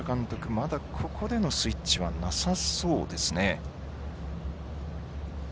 まだここでのスイッチはなさそうですね。